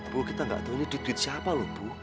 bu kita gak tahu ini duit duit siapa bu